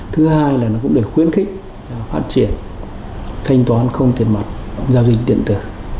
thứ hai là nó cũng để khuyến khích phát triển thanh toán không tiền mặt giao dịch điện tử